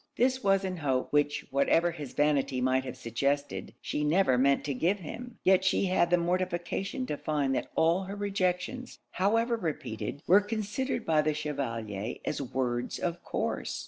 This was an hope, which whatever his vanity might have suggested, she never meant to give him; yet she had the mortification to find that all her rejections, however repeated, were considered by the Chevalier as words of course.